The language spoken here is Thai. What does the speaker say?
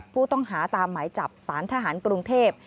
ผู้ต้องหาตามหมายจับสารทหารกรุงเทพ